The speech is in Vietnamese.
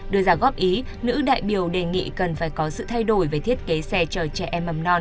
đưa ra góp ý nữ đại biểu đề nghị cần phải có sự thay đổi về thiết kế xe cho trẻ em mầm non